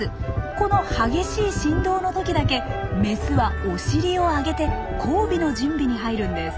この激しい振動の時だけメスはお尻を上げて交尾の準備に入るんです。